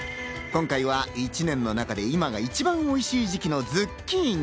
今回は１年の中で今が一番おいしい時期のズッキーニ。